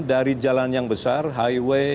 dari jalan yang besar highway